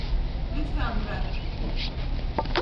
Lütfen bırak beni!